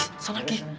wih sama lagi